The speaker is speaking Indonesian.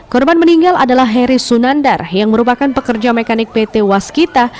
korban meninggal adalah heri sunandar yang merupakan pekerja mekanik pt waskita